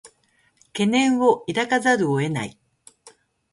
懸念を抱かざるを得ない